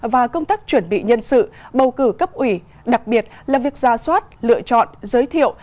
và công tác chuẩn bị nhân sự bầu cử cấp ủy đặc biệt là việc ra soát lựa chọn giới thiệu